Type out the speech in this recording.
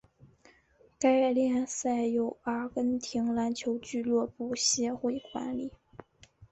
该联赛由阿根廷篮球俱乐部协会管理。